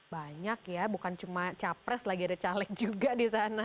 banyak ya bukan cuma capres lagi ada caleg juga di sana